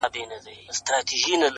• او کوښښ کوي چي د ده شعر -